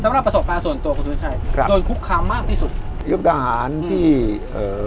สำหรับประสบการณ์ส่วนตัวคุณสุวิชัยครับโดนคุกคามมากที่สุดยุบดาหารที่เอ่อ